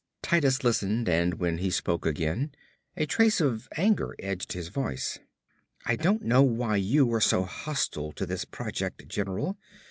Titus listened and when he spoke again a trace of anger edged his voice. "I don't know why you are so hostile to this project, general.